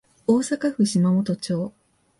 大阪府島本町